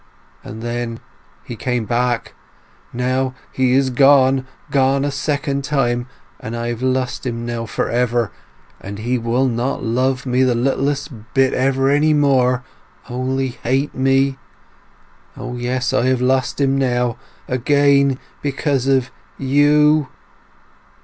And then he came back! Now he is gone. Gone a second time, and I have lost him now for ever ... and he will not love me the littlest bit ever any more—only hate me!... O yes, I have lost him now—again because of—you!"